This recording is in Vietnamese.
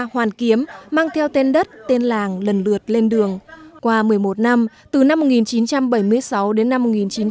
hà nội mang theo tên đất tên làng lần lượt lên đường qua một mươi một năm từ năm một nghìn chín trăm bảy mươi sáu đến năm một nghìn chín trăm tám mươi bảy